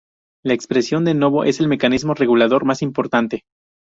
La expresión de novo es el mecanismo regulador más importante.